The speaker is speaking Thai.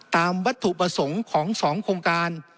ตามวัตถุประสงค์ของ๒โครงการ